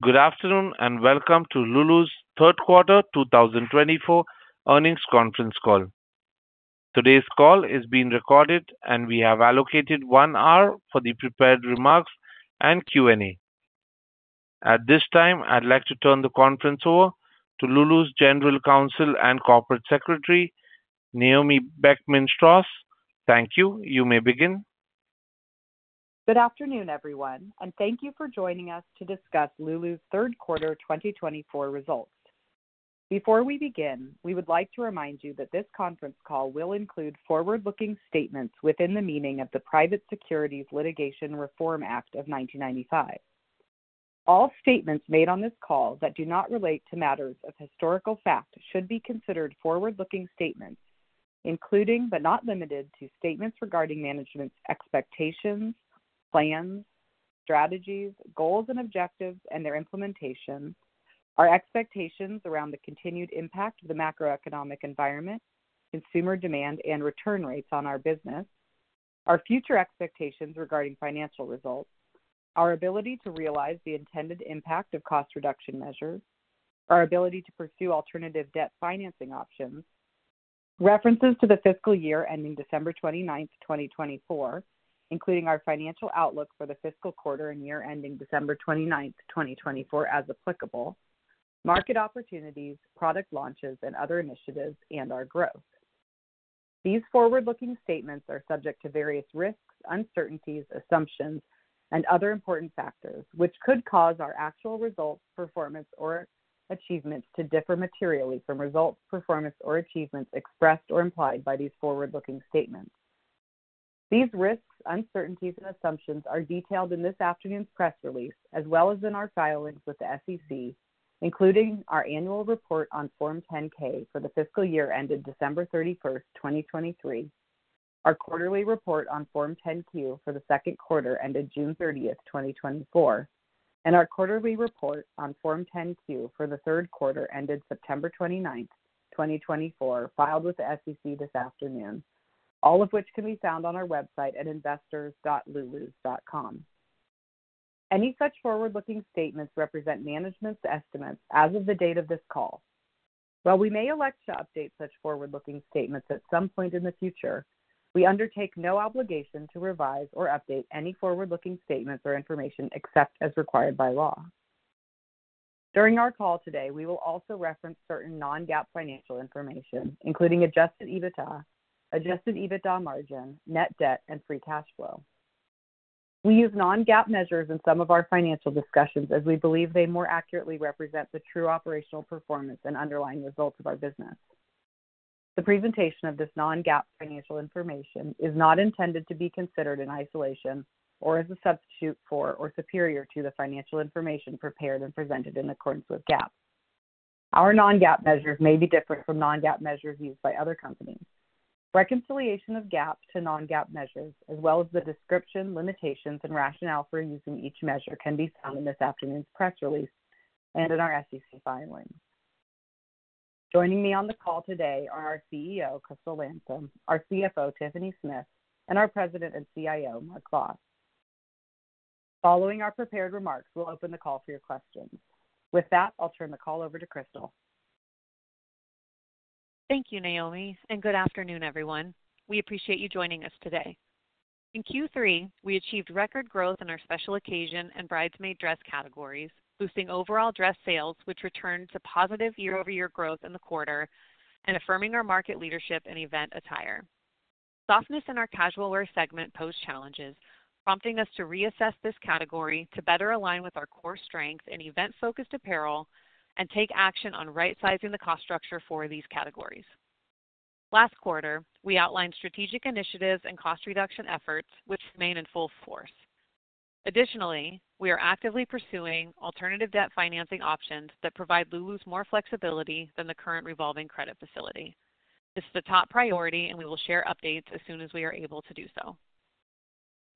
Good afternoon and welcome to Lulus' Third Quarter 2024 earnings conference call. Today's call is being recorded, and we have allocated one hour for the prepared remarks and Q&A. At this time, I'd like to turn the conference over to Lulus' General Counsel and Corporate Secretary, Naomi Beckman-Straus. Thank you. You may begin. Good afternoon, everyone, and thank you for joining us to discuss Lulus' Third Quarter 2024 results. Before we begin, we would like to remind you that this conference call will include forward-looking statements within the meaning of the Private Securities Litigation Reform Act of 1995. All statements made on this call that do not relate to matters of historical fact should be considered forward-looking statements, including but not limited to statements regarding management's expectations, plans, strategies, goals and objectives, and their implementation. Our expectations around the continued impact of the macroeconomic environment, consumer demand and return rates on our business. Our future expectations regarding financial results. Our ability to realize the intended impact of cost reduction measures. Our ability to pursue alternative debt financing options. References to the fiscal year ending December 29, 2024, including our financial outlook for the fiscal quarter and year ending December 29, 2024, as applicable. Market opportunities, product launches, and other initiatives and our growth. These forward-looking statements are subject to various risks, uncertainties, assumptions, and other important factors which could cause our actual results, performance, or achievements to differ materially from results, performance, or achievements expressed or implied by these forward-looking statements. These risks, uncertainties, and assumptions are detailed in this afternoon's press release, as well as in our filings with the SEC, including our annual report on Form 10-K for the fiscal year ended December 31, 2023, our quarterly report on Form 10-Q for the second quarter ended June 30, 2024, and our quarterly report on Form 10-Q for the third quarter ended September 29, 2024, filed with the SEC this afternoon, all of which can be found on our website at investors.lulus.com. Any such forward-looking statements represent management's estimates as of the date of this call. While we may elect to update such forward-looking statements at some point in the future, we undertake no obligation to revise or update any forward-looking statements or information except as required by law. During our call today, we will also reference certain non-GAAP financial information, including Adjusted EBITDA, Adjusted EBITDA Margin, Net Debt, and Free Cash Flow. We use non-GAAP measures in some of our financial discussions as we believe they more accurately represent the true operational performance and underlying results of our business. The presentation of this non-GAAP financial information is not intended to be considered in isolation or as a substitute for or superior to the financial information prepared and presented in accordance with GAAP. Our non-GAAP measures may be different from non-GAAP measures used by other companies. Reconciliation of GAAP to non-GAAP measures, as well as the description, limitations, and rationale for using each measure, can be found in this afternoon's press release and in our SEC filings. Joining me on the call today are our CEO, Crystal Landsem, our CFO, Tiffany Smith, and our President and CIO, Mark Vos. Following our prepared remarks, we'll open the call for your questions. With that, I'll turn the call over to Crystal. Thank you, Naomi, and good afternoon, everyone. We appreciate you joining us today. In Q3, we achieved record growth in our special occasion and bridesmaid dress categories, boosting overall dress sales, which returned to positive year-over-year growth in the quarter and affirming our market leadership in event attire. Softness in our casual wear segment posed challenges, prompting us to reassess this category to better align with our core strengths in event-focused apparel and take action on right-sizing the cost structure for these categories. Last quarter, we outlined strategic initiatives and cost reduction efforts, which remain in full force. Additionally, we are actively pursuing alternative debt financing options that provide Lulus more flexibility than the current revolving credit facility. This is a top priority, and we will share updates as soon as we are able to do so.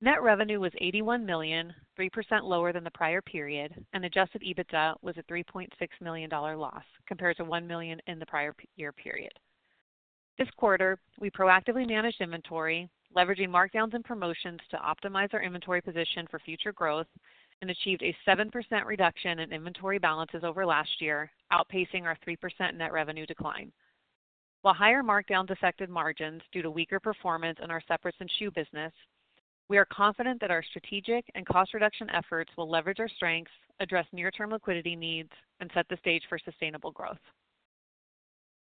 Net revenue was $81 million, 3% lower than the prior period, and Adjusted EBITDA was a $3.6 million loss compared to $1 million in the prior year period. This quarter, we proactively managed inventory, leveraging markdowns and promotions to optimize our inventory position for future growth and achieved a 7% reduction in inventory balances over last year, outpacing our 3% net revenue decline. While higher markdowns affected margins due to weaker performance in our separates and shoe business, we are confident that our strategic and cost reduction efforts will leverage our strengths, address near-term liquidity needs, and set the stage for sustainable growth.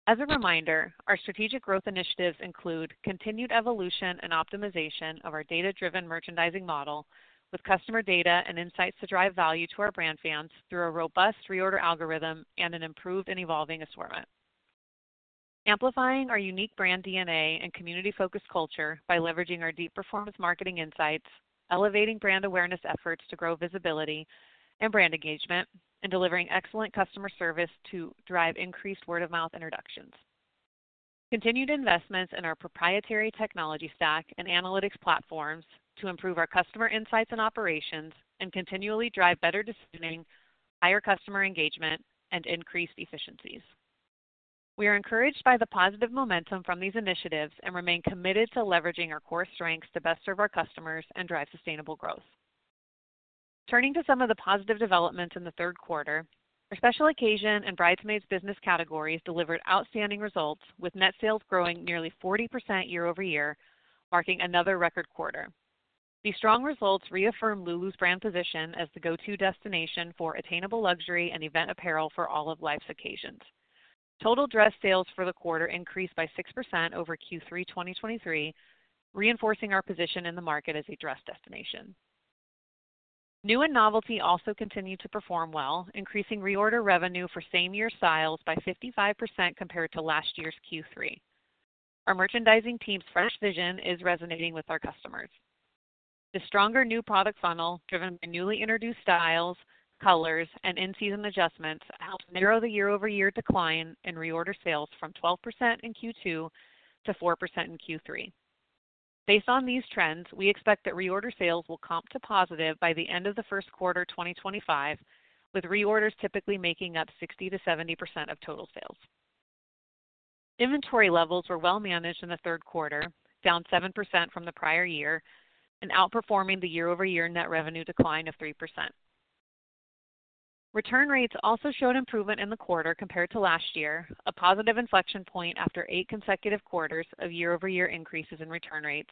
As a reminder, our strategic growth initiatives include continued evolution and optimization of our data-driven merchandising model with customer data and insights to drive value to our brand fans through a robust reorder algorithm and an improved and evolving assortment, amplifying our unique brand DNA and community-focused culture by leveraging our deep performance marketing insights, elevating brand awareness efforts to grow visibility and brand engagement, and delivering excellent customer service to drive increased word-of-mouth introductions. Continued investments in our proprietary technology stack and analytics platforms to improve our customer insights and operations, and continually drive better decisioning, higher customer engagement, and increased efficiencies. We are encouraged by the positive momentum from these initiatives and remain committed to leveraging our core strengths to best serve our customers and drive sustainable growth. Turning to some of the positive developments in the third quarter, our special occasion and bridesmaids business categories delivered outstanding results, with net sales growing nearly 40% year-over-year, marking another record quarter. These strong results reaffirm Lulus brand position as the go-to destination for attainable luxury and event apparel for all of life's occasions. Total dress sales for the quarter increased by 6% over Q3 2023, reinforcing our position in the market as a dress destination. New and novelty also continue to perform well, increasing reorder revenue for same-year styles by 55% compared to last year's Q3. Our merchandising team's fresh vision is resonating with our customers. The stronger new product funnel driven by newly introduced styles, colors, and in-season adjustments helped narrow the year-over-year decline in reorder sales from 12% in Q2 to 4% in Q3. Based on these trends, we expect that reorder sales will comp to positive by the end of the first quarter 2025, with reorders typically making up 60%-70% of total sales. Inventory levels were well managed in the third quarter, down 7% from the prior year, and outperforming the year-over-year net revenue decline of 3%. Return rates also showed improvement in the quarter compared to last year, a positive inflection point after eight consecutive quarters of year-over-year increases in return rates,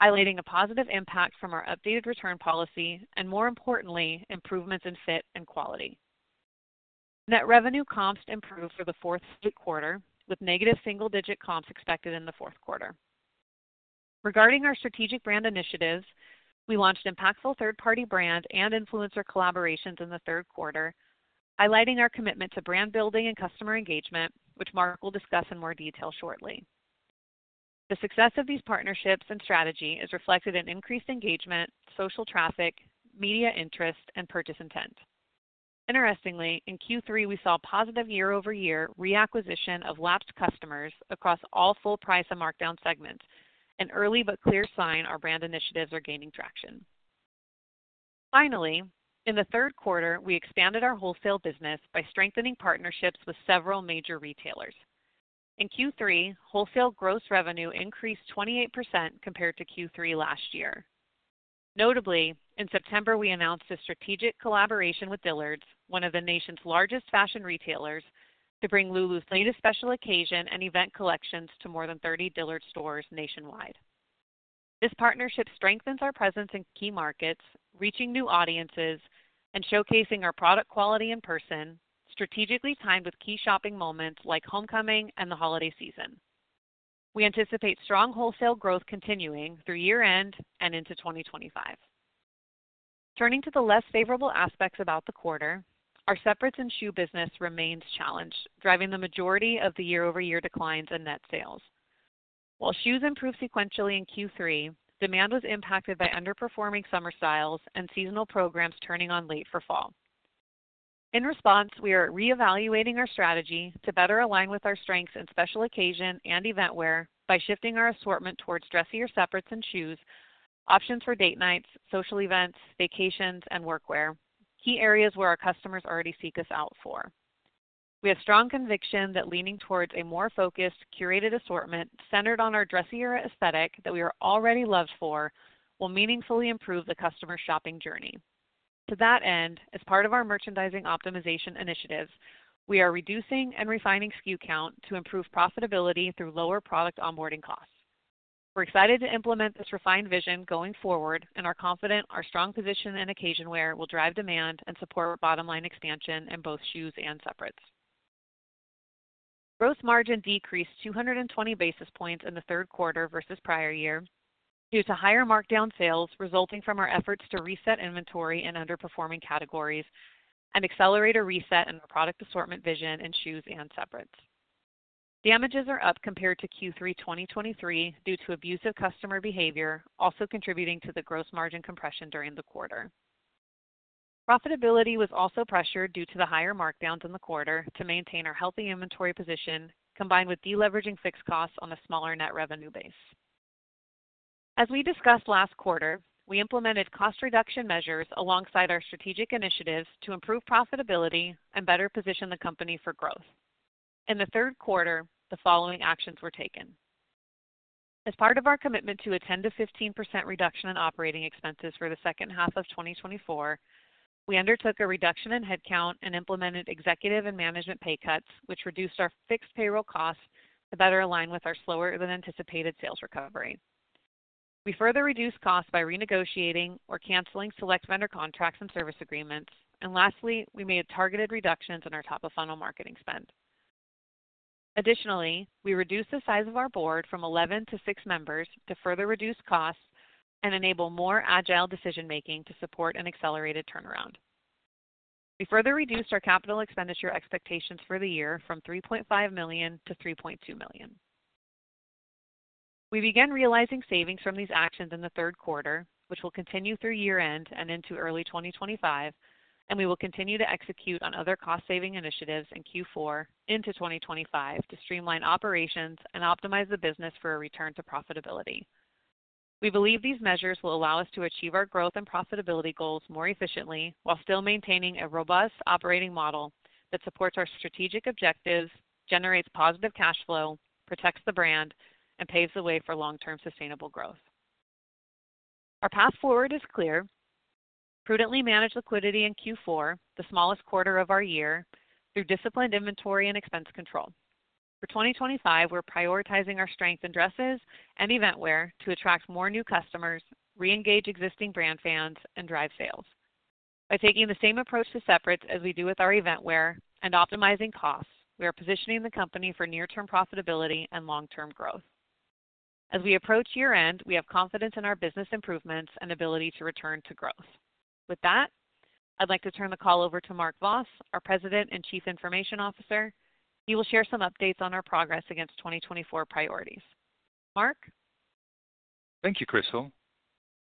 highlighting a positive impact from our updated return policy and, more importantly, improvements in fit and quality. Net revenue comps improved for the fourth quarter, with negative single-digit comps expected in the fourth quarter. Regarding our strategic brand initiatives, we launched impactful third-party brand and influencer collaborations in the third quarter, highlighting our commitment to brand building and customer engagement, which Mark will discuss in more detail shortly. The success of these partnerships and strategy is reflected in increased engagement, social traffic, media interest, and purchase intent. Interestingly, in Q3, we saw positive year-over-year reacquisition of lapsed customers across all full price and markdown segments, an early but clear sign our brand initiatives are gaining traction. Finally, in the third quarter, we expanded our wholesale business by strengthening partnerships with several major retailers. In Q3, wholesale gross revenue increased 28% compared to Q3 last year. Notably, in September, we announced a strategic collaboration with Dillard's, one of the nation's largest fashion retailers, to bring Lulus latest special occasion and event collections to more than 30 Dillard's stores nationwide. This partnership strengthens our presence in key markets, reaching new audiences, and showcasing our product quality in person, strategically timed with key shopping moments like homecoming and the holiday season. We anticipate strong wholesale growth continuing through year-end and into 2025. Turning to the less favorable aspects about the quarter, our separates and shoes business remains challenged, driving the majority of the year-over-year declines in net sales. While shoes improved sequentially in Q3, demand was impacted by underperforming summer styles and seasonal programs turning on late for fall. In response, we are reevaluating our strategy to better align with our strengths in special occasion and event wear by shifting our assortment towards dressier separates and shoes, options for date nights, social events, vacations, and workwear, key areas where our customers already seek us out for. We have strong conviction that leaning towards a more focused, curated assortment centered on our dressier aesthetic that we are already loved for will meaningfully improve the customer's shopping journey. To that end, as part of our merchandising optimization initiatives, we are reducing and refining SKU count to improve profitability through lower product onboarding costs. We're excited to implement this refined vision going forward and are confident our strong position in occasion wear will drive demand and support bottom-line expansion in both shoes and separates. Gross margin decreased 220 basis points in the third quarter versus prior year due to higher markdown sales resulting from our efforts to reset inventory in underperforming categories and accelerate a reset in our product assortment vision in shoes and separates. Damages are up compared to Q3 2023 due to abusive customer behavior, also contributing to the gross margin compression during the quarter. Profitability was also pressured due to the higher markdowns in the quarter to maintain our healthy inventory position, combined with deleveraging fixed costs on a smaller net revenue base. As we discussed last quarter, we implemented cost reduction measures alongside our strategic initiatives to improve profitability and better position the company for growth. In the third quarter, the following actions were taken. As part of our commitment to a 10%-15% reduction in operating expenses for the second half of 2024, we undertook a reduction in headcount and implemented executive and management pay cuts, which reduced our fixed payroll costs to better align with our slower-than-anticipated sales recovery. We further reduced costs by renegotiating or canceling select vendor contracts and service agreements. Lastly, we made targeted reductions in our top-of-funnel marketing spend. Additionally, we reduced the size of our board from 11 to 6 members to further reduce costs and enable more agile decision-making to support an accelerated turnaround. We further reduced our capital expenditure expectations for the year from $3.5 million-$3.2 million. We began realizing savings from these actions in the third quarter, which will continue through year-end and into early 2025, and we will continue to execute on other cost-saving initiatives in Q4 into 2025 to streamline operations and optimize the business for a return to profitability. We believe these measures will allow us to achieve our growth and profitability goals more efficiently while still maintaining a robust operating model that supports our strategic objectives, generates positive cash flow, protects the brand, and paves the way for long-term sustainable growth. Our path forward is clear: prudently manage liquidity in Q4, the smallest quarter of our year, through disciplined inventory and expense control. For 2025, we're prioritizing our strength in dresses and event wear to attract more new customers, reengage existing brand fans, and drive sales. By taking the same approach to separates as we do with our event wear and optimizing costs, we are positioning the company for near-term profitability and long-term growth. As we approach year-end, we have confidence in our business improvements and ability to return to growth. With that, I'd like to turn the call over to Mark Vos, our President and Chief Information Officer. He will share some updates on our progress against 2024 priorities. Mark? Thank you, Crystal.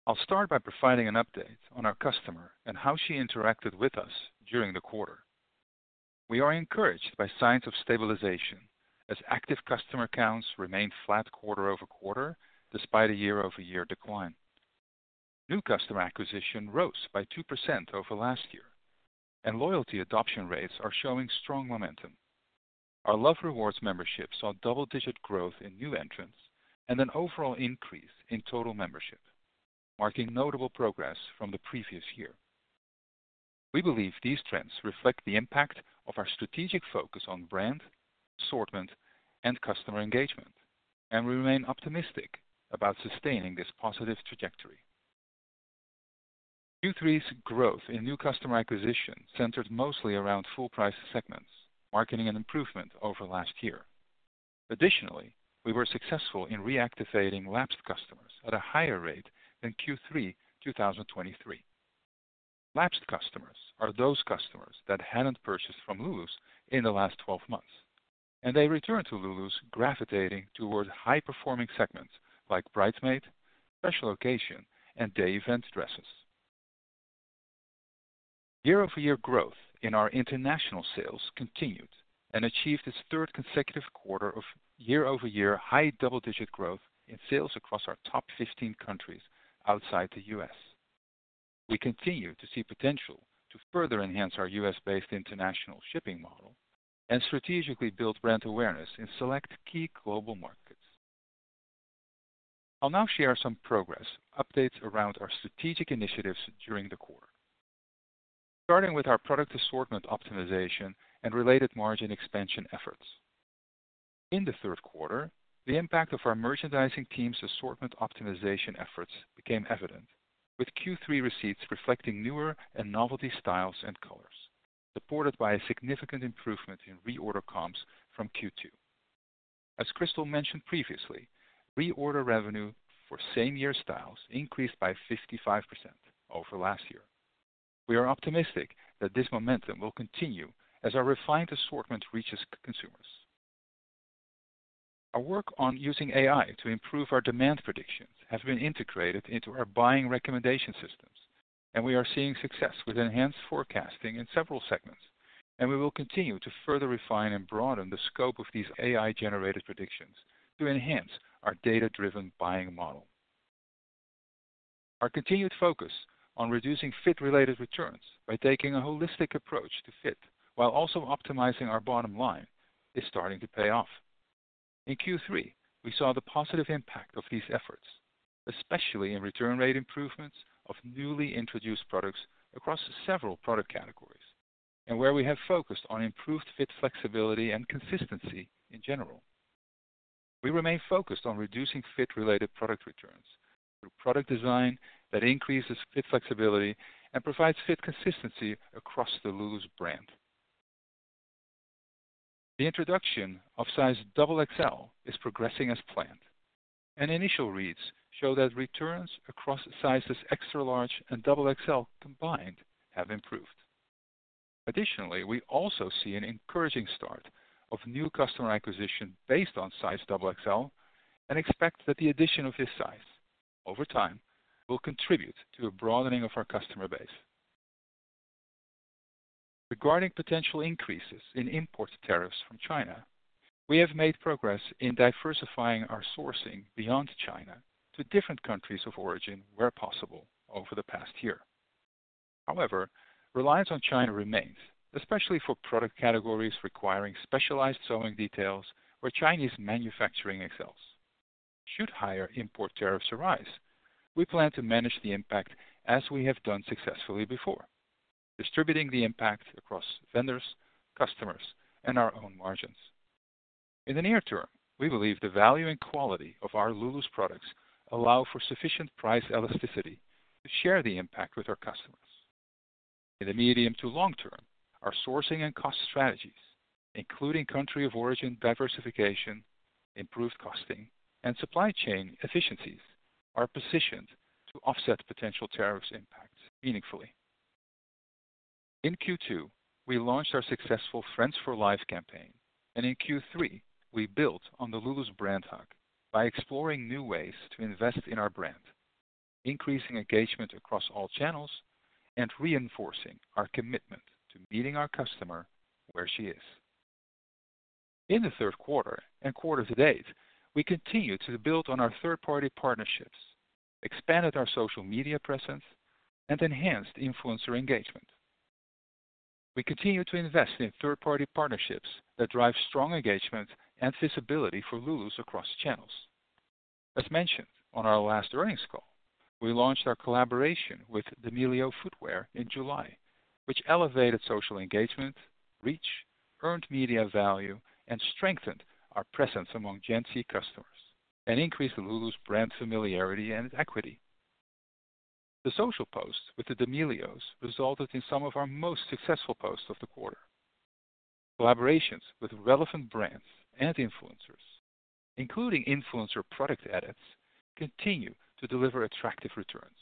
I'll start by providing an update on our customer and how she interacted with us during the quarter. We are encouraged by signs of stabilization as active customer counts remain flat quarter-over-quarter despite a year-over-year decline. New customer acquisition rose by 2% over last year, and loyalty adoption rates are showing strong momentum. Our Love Rewards membership saw double-digit growth in new entrants and an overall increase in total membership, marking notable progress from the previous year. We believe these trends reflect the impact of our strategic focus on brand, assortment, and customer engagement, and we remain optimistic about sustaining this positive trajectory. Q3's growth in new customer acquisition centered mostly around full price segments, marketing, and improvement over last year. Additionally, we were successful in reactivating lapsed customers at a higher rate than Q3 2023. Lapsed customers are those customers that hadn't purchased from Lulus in the last 12 months, and they returned to Lulus, gravitating towards high-performing segments like bridesmaid, special occasion, and day event dresses. Year-over-year growth in our international sales continued and achieved its third consecutive quarter of year-over-year high double-digit growth in sales across our top 15 countries outside the U.S. We continue to see potential to further enhance our U.S.-based international shipping model and strategically build brand awareness in select key global markets. I'll now share some progress updates around our strategic initiatives during the quarter, starting with our product assortment optimization and related margin expansion efforts. In the third quarter, the impact of our merchandising team's assortment optimization efforts became evident, with Q3 receipts reflecting newer and novelty styles and colors, supported by a significant improvement in reorder comps from Q2. As Crystal mentioned previously, reorder revenue for same-year styles increased by 55% over last year. We are optimistic that this momentum will continue as our refined assortment reaches consumers. Our work on using AI to improve our demand predictions has been integrated into our buying recommendation systems, and we are seeing success with enhanced forecasting in several segments, and we will continue to further refine and broaden the scope of these AI-generated predictions to enhance our data-driven buying model. Our continued focus on reducing fit-related returns by taking a holistic approach to fit while also optimizing our bottom line is starting to pay off. In Q3, we saw the positive impact of these efforts, especially in return rate improvements of newly introduced products across several product categories and where we have focused on improved fit flexibility and consistency in general. We remain focused on reducing fit-related product returns through product design that increases fit flexibility and provides fit consistency across the Lulus brand. The introduction of size XXL is progressing as planned, and initial reads show that returns across sizes extra-large and XXL combined have improved. Additionally, we also see an encouraging start of new customer acquisition based on size XXL and expect that the addition of this size over time will contribute to a broadening of our customer base. Regarding potential increases in import tariffs from China, we have made progress in diversifying our sourcing beyond China to different countries of origin where possible over the past year. However, reliance on China remains, especially for product categories requiring specialized sewing details where Chinese manufacturing excels. Should higher import tariffs arise, we plan to manage the impact as we have done successfully before, distributing the impact across vendors, customers, and our own margins. In the near term, we believe the value and quality of our Lulus products allow for sufficient price elasticity to share the impact with our customers. In the medium to long term, our sourcing and cost strategies, including country of origin diversification, improved costing, and supply chain efficiencies, are positioned to offset potential tariff impacts meaningfully. In Q2, we launched our successful Friends for Life campaign, and in Q3, we built on the Lulus brand hug by exploring new ways to invest in our brand, increasing engagement across all channels, and reinforcing our commitment to meeting our customer where she is. In the third quarter and quarter to date, we continue to build on our third-party partnerships, expanded our social media presence, and enhanced influencer engagement. We continue to invest in third-party partnerships that drive strong engagement and visibility for Lulus across channels. As mentioned on our last earnings call, we launched our collaboration with D'Amelio Footwear in July, which elevated social engagement, reach, earned media value, and strengthened our presence among Gen Z customers and increased Lulus brand familiarity and equity. The social posts with the D'Amelios resulted in some of our most successful posts of the quarter. Collaborations with relevant brands and influencers, including influencer product edits, continue to deliver attractive returns,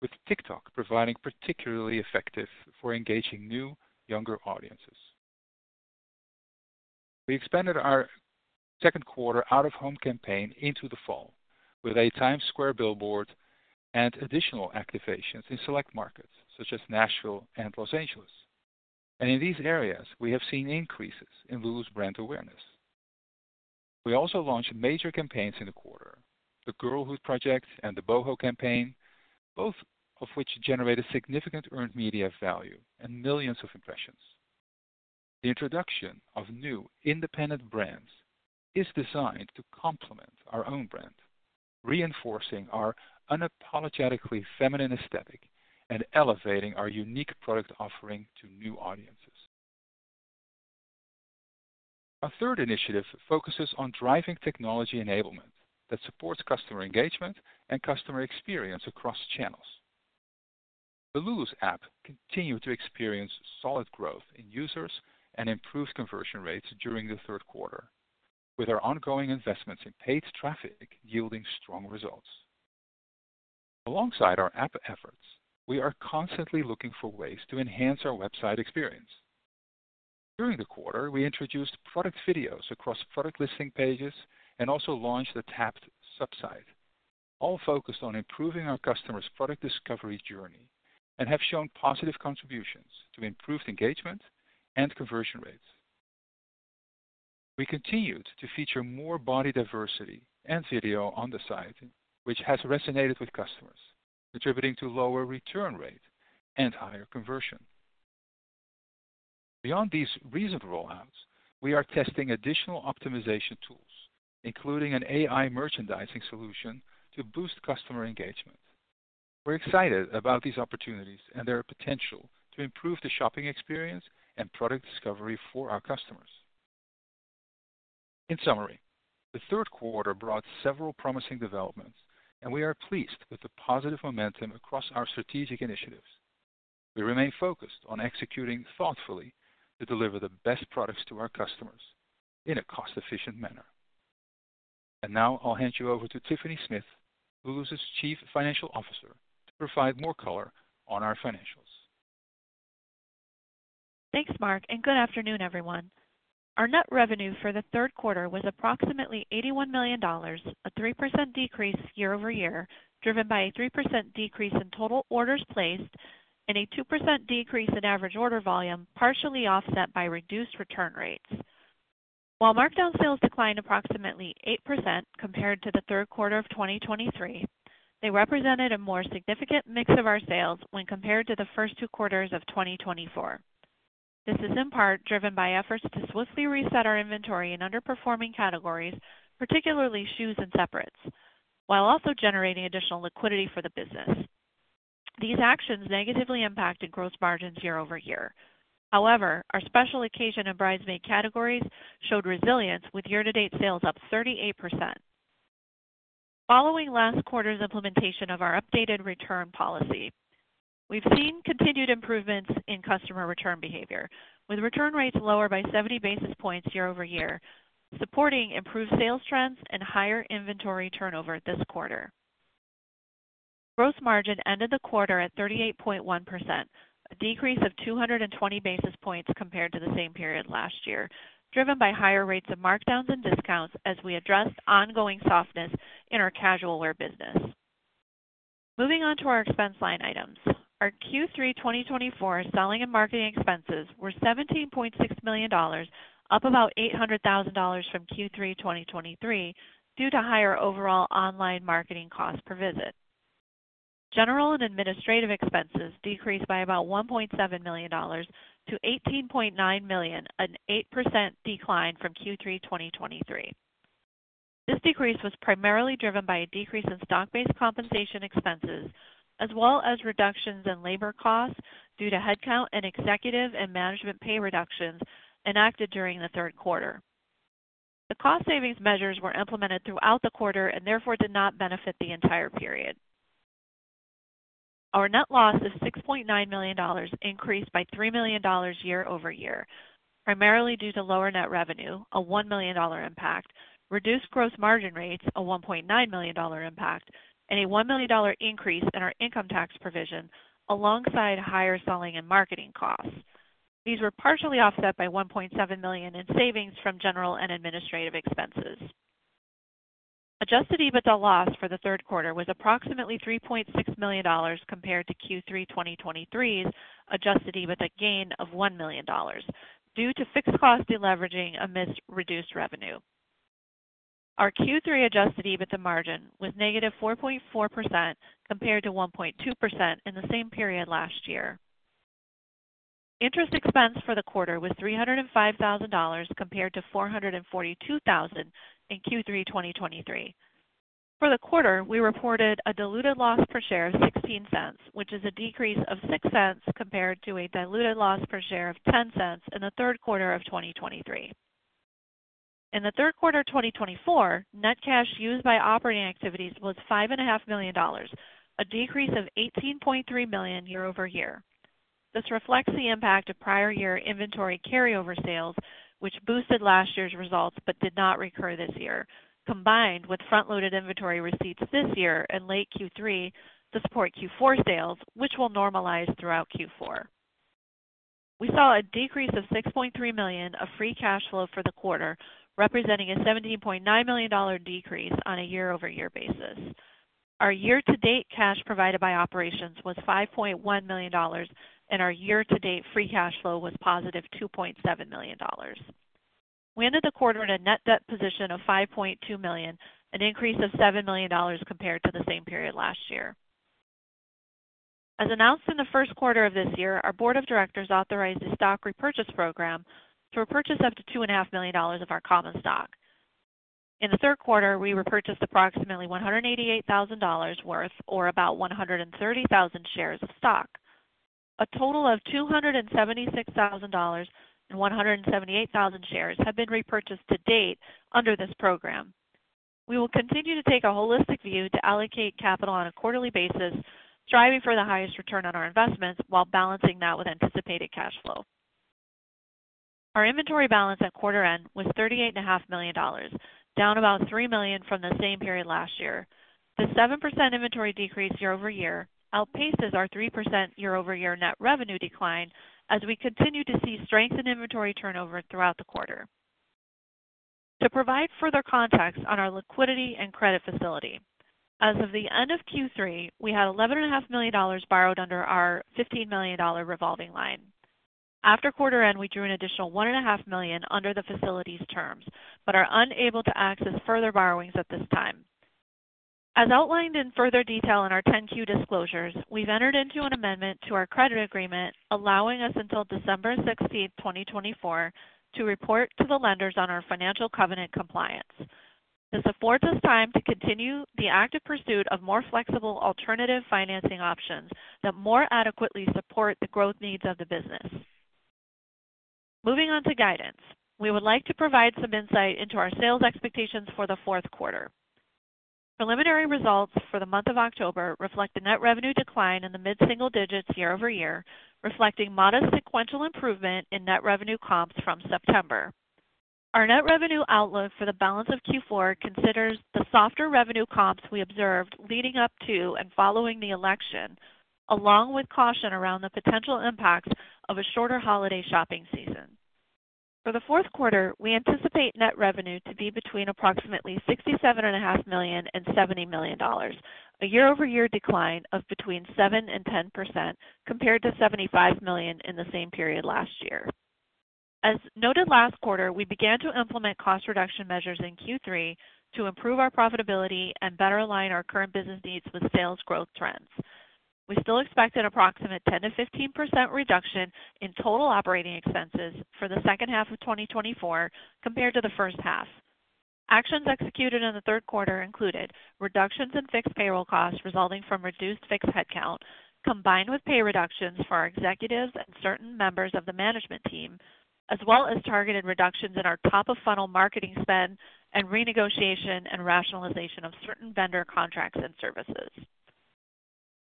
with TikTok providing particularly effective for engaging new, younger audiences. We expanded our second quarter out-of-home campaign into the fall with a Times Square billboard and additional activations in select markets such as Nashville and Los Angeles, and in these areas, we have seen increases in Lulus brand awareness. We also launched major campaigns in the quarter, the Girlhood Project and the Boho campaign, both of which generated significant earned media value and millions of impressions. The introduction of new independent brands is designed to complement our own brand, reinforcing our unapologetically feminine aesthetic and elevating our unique product offering to new audiences. Our third initiative focuses on driving technology enablement that supports customer engagement and customer experience across channels. The Lulus app continued to experience solid growth in users and improved conversion rates during the third quarter, with our ongoing investments in paid traffic yielding strong results. Alongside our app efforts, we are constantly looking for ways to enhance our website experience. During the quarter, we introduced product videos across product listing pages and also launched the Tap subsite, all focused on improving our customers' product discovery journey and have shown positive contributions to improved engagement and conversion rates. We continued to feature more body diversity and video on the site, which has resonated with customers, contributing to lower return rate and higher conversion. Beyond these recent rollouts, we are testing additional optimization tools, including an AI merchandising solution to boost customer engagement. We're excited about these opportunities and their potential to improve the shopping experience and product discovery for our customers. In summary, the third quarter brought several promising developments, and we are pleased with the positive momentum across our strategic initiatives. We remain focused on executing thoughtfully to deliver the best products to our customers in a cost-efficient manner. Now I'll hand you over to Tiffany Smith, Lulus Chief Financial Officer, to provide more color on our financials. Thanks, Mark, and good afternoon, everyone. Our net revenue for the third quarter was approximately $81 million, a 3% decrease year-over-year driven by a 3% decrease in total orders placed and a 2% decrease in average order volume, partially offset by reduced return rates. While markdown sales declined approximately 8% compared to the third quarter of 2023, they represented a more significant mix of our sales when compared to the first two quarters of 2024. This is in part driven by efforts to swiftly reset our inventory in underperforming categories, particularly shoes and separates, while also generating additional liquidity for the business. These actions negatively impacted gross margins year-over-year. However, our special occasion and bridesmaid categories showed resilience, with year-to-date sales up 38%. Following last quarter's implementation of our updated return policy, we've seen continued improvements in customer return behavior, with return rates lower by 70 basis points year-over-year, supporting improved sales trends and higher inventory turnover this quarter. Gross margin ended the quarter at 38.1%, a decrease of 220 basis points compared to the same period last year, driven by higher rates of markdowns and discounts as we addressed ongoing softness in our casual wear business. Moving on to our expense line items, our Q3 2024 selling and marketing expenses were $17.6 million, up about $800,000 from Q3 2023 due to higher overall online marketing costs per visit. General and administrative expenses decreased by about $1.7 million-$18.9 million, an 8% decline from Q3 2023. This decrease was primarily driven by a decrease in stock-based compensation expenses, as well as reductions in labor costs due to headcount and executive and management pay reductions enacted during the third quarter. The cost savings measures were implemented throughout the quarter and therefore did not benefit the entire period. Our net loss of $6.9 million increased by $3 million year-over-year, primarily due to lower net revenue, a $1 million impact, reduced gross margin rates, a $1.9 million impact, and a $1 million increase in our income tax provision, alongside higher selling and marketing costs. These were partially offset by $1.7 million in savings from general and administrative expenses. Adjusted EBITDA loss for the third quarter was approximately $3.6 million compared to Q3 2023's adjusted EBITDA gain of $1 million due to fixed cost deleveraging amidst reduced revenue. Our Q3 adjusted EBITDA margin was negative 4.4% compared to 1.2% in the same period last year. Interest expense for the quarter was $305,000 compared to $442,000 in Q3 2023. For the quarter, we reported a diluted loss per share of $0.16, which is a decrease of $0.06 compared to a diluted loss per share of $0.10 in the third quarter of 2023. In the third quarter of 2024, net cash used by operating activities was $5.5 million, a decrease of $18.3 million year-over-year. This reflects the impact of prior year inventory carryover sales, which boosted last year's results but did not recur this year, combined with front-loaded inventory receipts this year and late Q3 to support Q4 sales, which will normalize throughout Q4. We saw a decrease of $6.3 million of free cash flow for the quarter, representing a $17.9 million decrease on a year-over-year basis. Our year-to-date cash provided by operations was $5.1 million, and our year-to-date free cash flow was positive $2.7 million. We ended the quarter in a net debt position of $5.2 million, an increase of $7 million compared to the same period last year. As announced in the first quarter of this year, our Board of Directors authorized the stock repurchase program to repurchase up to $2.5 million of our common stock. In the third quarter, we repurchased approximately $188,000 worth, or about 130,000 shares of stock. A total of $276,000 and 178,000 shares have been repurchased to date under this program. We will continue to take a holistic view to allocate capital on a quarterly basis, striving for the highest return on our investments while balancing that with anticipated cash flow. Our inventory balance at quarter end was $38.5 million, down about $3 million from the same period last year. The 7% inventory decrease year-over-year outpaces our 3% year-over-year net revenue decline as we continue to see strength in inventory turnover throughout the quarter. To provide further context on our liquidity and credit facility, as of the end of Q3, we had $11.5 million borrowed under our $15 million revolving line. After quarter end, we drew an additional $1.5 million under the facility's terms, but are unable to access further borrowings at this time. As outlined in further detail in our 10-Q disclosures, we've entered into an amendment to our credit agreement, allowing us until December 16, 2024, to report to the lenders on our financial covenant compliance. This affords us time to continue the active pursuit of more flexible alternative financing options that more adequately support the growth needs of the business. Moving on to guidance, we would like to provide some insight into our sales expectations for the fourth quarter. Preliminary results for the month of October reflect a net revenue decline in the mid-single digits year-over-year, reflecting modest sequential improvement in net revenue comps from September. Our net revenue outlook for the balance of Q4 considers the softer revenue comps we observed leading up to and following the election, along with caution around the potential impacts of a shorter holiday shopping season. For the fourth quarter, we anticipate net revenue to be between approximately $67.5 million and $70 million, a year-over-year decline of between 7% and 10% compared to $75 million in the same period last year. As noted last quarter, we began to implement cost reduction measures in Q3 to improve our profitability and better align our current business needs with sales growth trends. We still expect an approximate 10%-15% reduction in total operating expenses for the second half of 2024 compared to the first half. Actions executed in the third quarter included reductions in fixed payroll costs resulting from reduced fixed headcount, combined with pay reductions for our executives and certain members of the management team, as well as targeted reductions in our top-of-funnel marketing spend and renegotiation and rationalization of certain vendor contracts and services.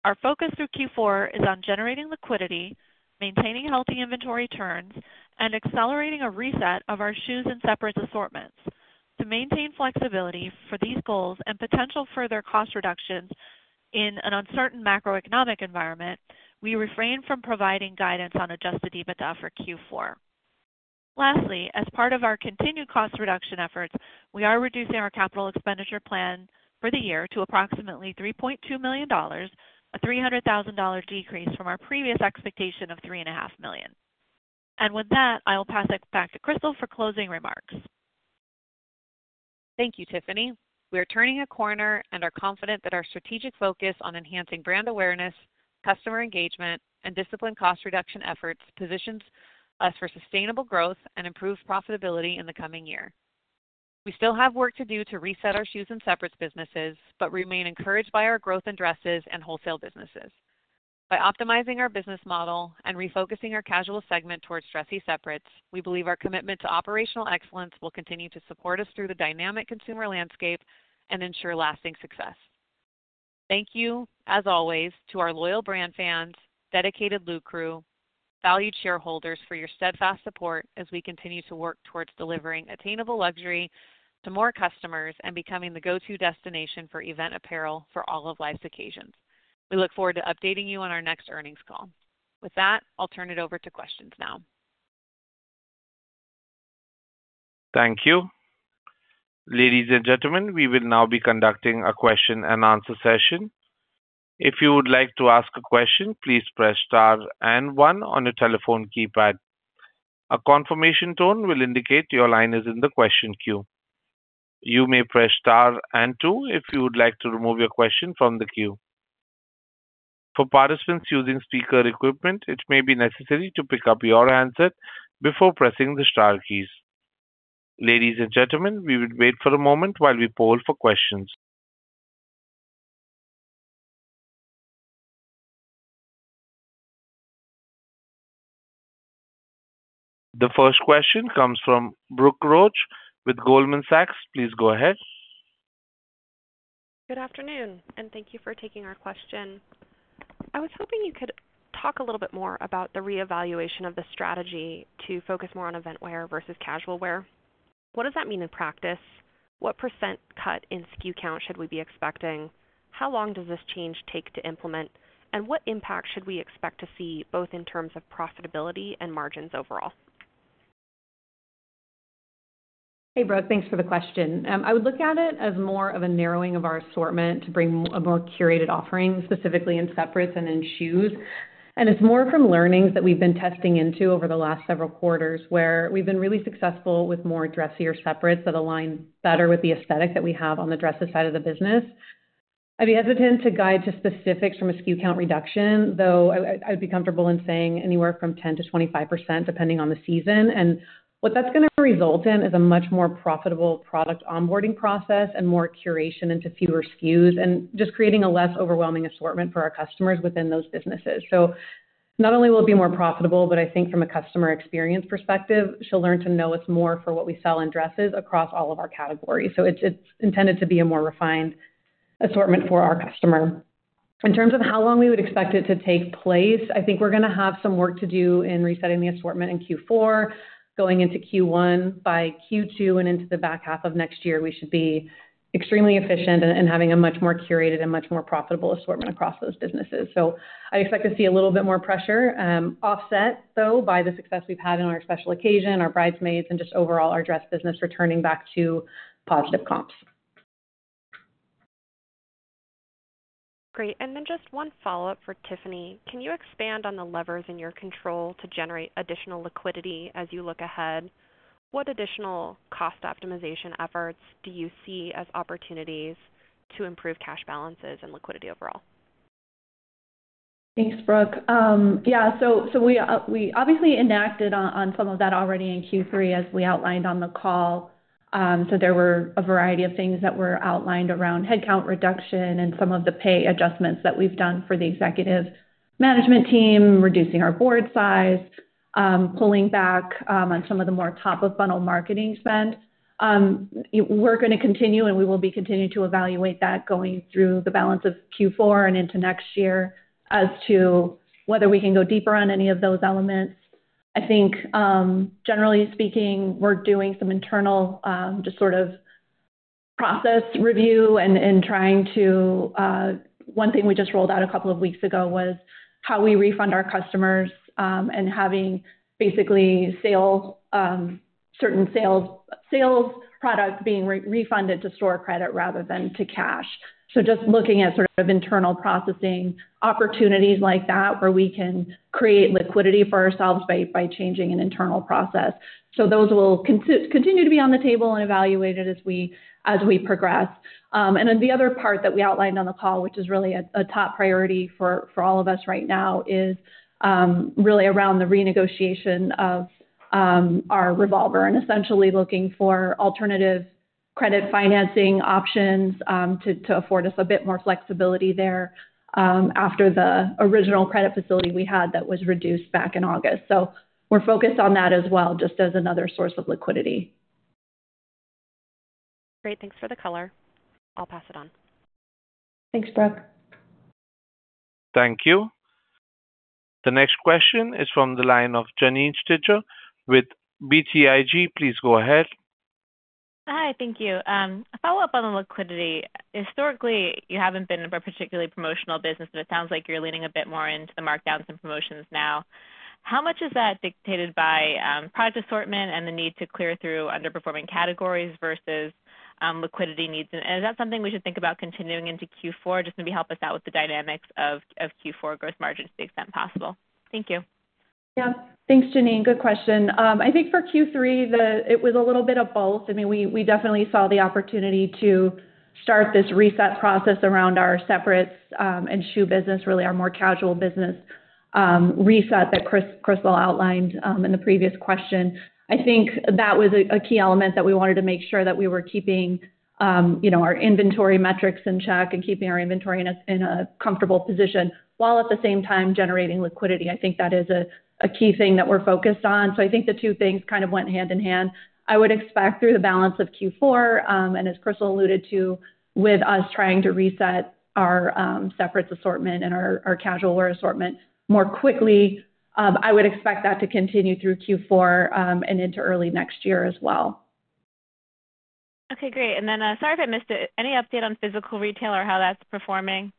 Our focus through Q4 is on generating liquidity, maintaining healthy inventory turns, and accelerating a reset of our shoes and separates assortments. To maintain flexibility for these goals and potential further cost reductions in an uncertain macroeconomic environment, we refrain from providing guidance on Adjusted EBITDA for Q4. Lastly, as part of our continued cost reduction efforts, we are reducing our capital expenditure plan for the year to approximately $3.2 million, a $300,000 decrease from our previous expectation of $3.5 million. With that, I'll pass it back to Crystal for closing remarks. Thank you, Tiffany. We are turning a corner and are confident that our strategic focus on enhancing brand awareness, customer engagement, and disciplined cost reduction efforts positions us for sustainable growth and improved profitability in the coming year. We still have work to do to reset our shoes and separates businesses, but remain encouraged by our growth in dresses and wholesale businesses. By optimizing our business model and refocusing our casual segment towards dressy separates, we believe our commitment to operational excellence will continue to support us through the dynamic consumer landscape and ensure lasting success. Thank you, as always, to our loyal brand fans, dedicated Lulu crew, and valued shareholders for your steadfast support as we continue to work towards delivering attainable luxury to more customers and becoming the go-to destination for event apparel for all of life's occasions. We look forward to updating you on our next earnings call. With that, I'll turn it over to questions now. Thank you. Ladies and gentlemen, we will now be conducting a question-and-answer session. If you would like to ask a question, please press star and one on your telephone keypad. A confirmation tone will indicate your line is in the question queue. You may press star and two if you would like to remove your question from the queue. For participants using speaker equipment, it may be necessary to pick up your answer before pressing the star keys. Ladies and gentlemen, we would wait for a moment while we poll for questions. The first question comes from Brooke Roach with Goldman Sachs. Please go ahead. Good afternoon, and thank you for taking our question. I was hoping you could talk a little bit more about the reevaluation of the strategy to focus more on event wear versus casual wear. What does that mean in practice? What % cut in SKU count should we be expecting? How long does this change take to implement, and what impact should we expect to see both in terms of profitability and margins overall? Hey, Brooke. Thanks for the question. I would look at it as more of a narrowing of our assortment to bring a more curated offering, specifically in separates and in shoes, and it's more from learnings that we've been testing into over the last several quarters where we've been really successful with more dressier separates that align better with the aesthetic that we have on the dress side of the business. I'd be hesitant to guide to specifics from a SKU count reduction, though I'd be comfortable in saying anywhere from 10%-25% depending on the season, and what that's going to result in is a much more profitable product onboarding process and more curation into fewer SKUs and just creating a less overwhelming assortment for our customers within those businesses. So not only will it be more profitable, but I think from a customer experience perspective, she'll learn to know us more for what we sell in dresses across all of our categories. So it's intended to be a more refined assortment for our customer. In terms of how long we would expect it to take place, I think we're going to have some work to do in resetting the assortment in Q4. Going into Q1, by Q2 and into the back half of next year, we should be extremely efficient and having a much more curated and much more profitable assortment across those businesses. So I'd expect to see a little bit more pressure offset, though, by the success we've had in our special occasion, our bridesmaids, and just overall our dress business returning back to positive comps. Great. Then just one follow-up for Tiffany. Can you expand on the levers in your control to generate additional liquidity as you look ahead? What additional cost optimization efforts do you see as opportunities to improve cash balances and liquidity overall? Thanks, Brooke. Yeah, so we obviously enacted on some of that already in Q3, as we outlined on the call. So there were a variety of things that were outlined around headcount reduction and some of the pay adjustments that we've done for the executive management team, reducing our board size, pulling back on some of the more top-of-funnel marketing spend. We're going to continue and we will be continuing to evaluate that going through the balance of Q4 and into next year as to whether we can go deeper on any of those elements. I think, generally speaking, we're doing some internal just sort of process review and trying to—one thing we just rolled out a couple of weeks ago was how we refund our customers and having basically certain sales product being refunded to store credit rather than to cash. So just looking at sort of internal processing opportunities like that where we can create liquidity for ourselves by changing an internal process. So those will continue to be on the table and evaluated as we progress. Then the other part that we outlined on the call, which is really a top priority for all of us right now, is really around the renegotiation of our revolver and essentially looking for alternative credit financing options to afford us a bit more flexibility there after the original credit facility we had that was reduced back in August. So we're focused on that as well, just as another source of liquidity. Great. Thanks for the color. I'll pass it on. Thanks, Brooke. Thank you. The next question is from the line of Janine Stichter with BTIG. Please go ahead. Hi, thank you. A follow-up on the liquidity. Historically, you haven't been a particularly promotional business, but it sounds like you're leaning a bit more into the markdowns and promotions now. How much is that dictated by product assortment and the need to clear through underperforming categories versus liquidity needs? Is that something we should think about continuing into Q4? Just maybe help us out with the dynamics of Q4 gross margins to the extent possible. Thank you. Yeah. Thanks, Janine. Good question. I think for Q3, it was a little bit of both. I mean, we definitely saw the opportunity to start this reset process around our separates and shoe business, really our more casual business reset that Crystal outlined in the previous question. I think that was a key element that we wanted to make sure that we were keeping our inventory metrics in check and keeping our inventory in a comfortable position while at the same time generating liquidity. I think that is a key thing that we're focused on. So I think the two things kind of went hand in hand. I would expect through the balance of Q4, and as Crystal alluded to, with us trying to reset our separates assortment and our casual wear assortment more quickly, I would expect that to continue through Q4 and into early next year as well. Okay, great. Then sorry if I missed it. Any update on physical retail or how that's performing?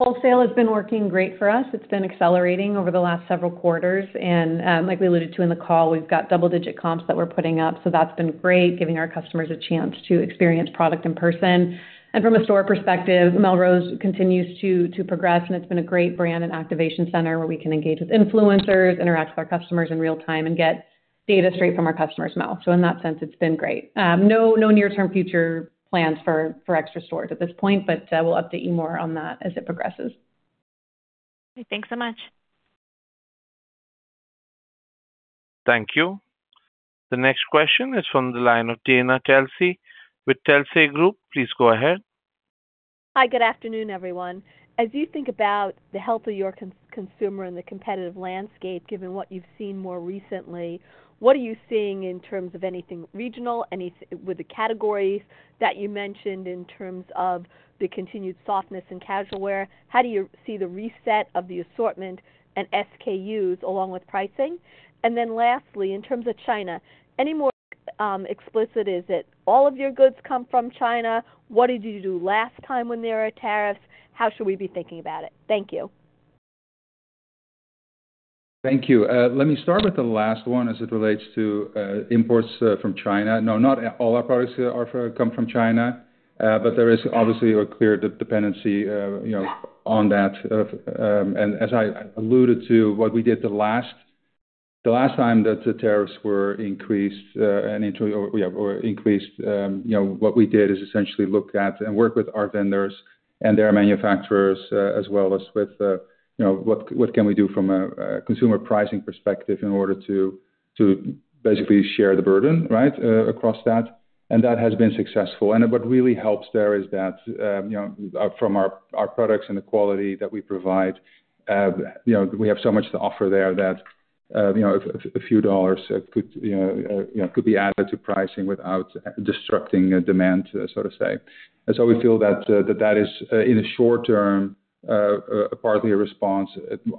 Wholesale has been working great for us. It's been accelerating over the last several quarters, and like we alluded to in the call, we've got double-digit comps that we're putting up, so that's been great, giving our customers a chance to experience product in person. From a store perspective, Melrose continues to progress, and it's been a great brand and activation center where we can engage with influencers, interact with our customers in real time, and get data straight from our customers' mouths, so in that sense, it's been great. No near-term future plans for extra stores at this point, but we'll update you more on that as it progresses. Thanks so much. Thank you. The next question is from the line of Dana Telsey with Telsey Advisory Group. Please go ahead. Hi, good afternoon, everyone. As you think about the health of your consumer and the competitive landscape, given what you've seen more recently, what are you seeing in terms of anything regional, with the categories that you mentioned in terms of the continued softness in casual wear? How do you see the reset of the assortment and SKUs along with pricing? Then lastly, in terms of China, any more explicit? Is it all of your goods come from China? What did you do last time when there are tariffs? How should we be thinking about it? Thank you. Thank you. Let me start with the last one as it relates to imports from China. No, not all our products come from China, but there is obviously a clear dependency on that. As I alluded to, what we did the last time that the tariffs were increased, what we did is essentially look at and work with our vendors and their manufacturers as well as with what can we do from a consumer pricing perspective in order to basically share the burden, right, across that. That has been successful. What really helps there is that from our products and the quality that we provide, we have so much to offer there that a few dollars could be added to pricing without disrupting demand, so to say. So we feel that that is, in the short term, partly a response.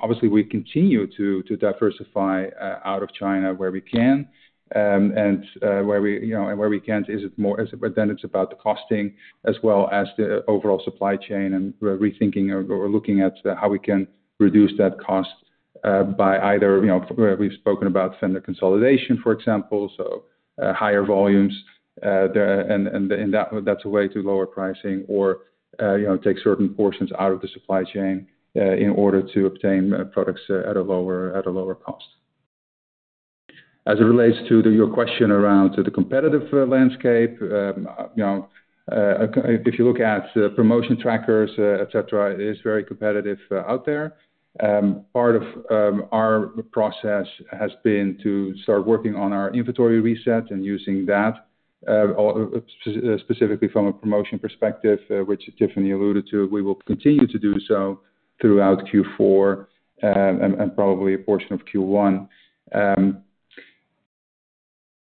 Obviously, we continue to diversify out of China where we can and where we can't, then it's about the costing as well as the overall supply chain and rethinking or looking at how we can reduce that cost by either we've spoken about vendor consolidation, for example, so higher volumes, and that's a way to lower pricing or take certain portions out of the supply chain in order to obtain products at a lower cost. As it relates to your question around the competitive landscape, if you look at promotion trackers, etc., it is very competitive out there. Part of our process has been to start working on our inventory reset and using that, specifically from a promotion perspective, which Tiffany alluded to. We will continue to do so throughout Q4 and probably a portion of Q1.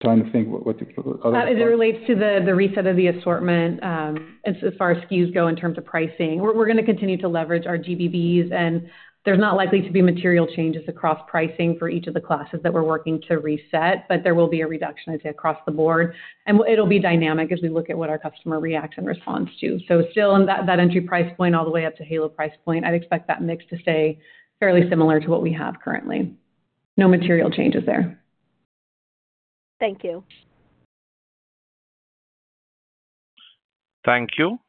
Trying to think what the- As it relates to the reset of the assortment, as far as SKUs go in terms of pricing, we're going to continue to leverage our GBBs and there's not likely to be material changes across pricing for each of the classes that we're working to reset, but there will be a reduction, I'd say, across the board. It'll be dynamic as we look at what our customer reacts and responds to. So still in that entry price point all the way up to Halo price point, I'd expect that mix to stay fairly similar to what we have currently. No material changes there. Thank you. Thank you.